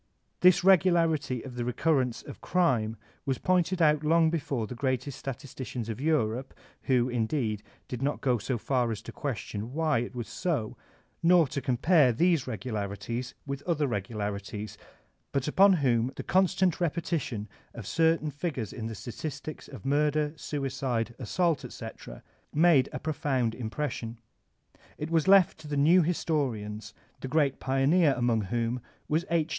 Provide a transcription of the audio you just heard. This regularity of the re currence of crime was pointed out long before by the greatest statisticians of Europe, who, indeed, did not go so far as to question why it was so, nor to compare that regularities with other regularities, but upon whom the constant repetition of certain figures in the statistics of murder, suicide, assault, etc., made a profound impres sion. It was left to the new historians, the great pioneer among whom was H.